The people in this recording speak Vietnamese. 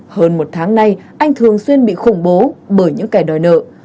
hơn một tháng nay anh thường xuyên bị khủng bố bởi những kẻ đòi nợ